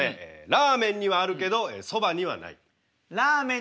ラーメンにはあるけどそばにはない。